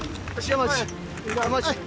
山内。